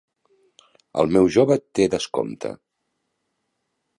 El meu jove té descompte.